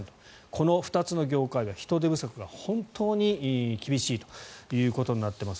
この２つの業界が人手不足が本当に厳しいということになっています。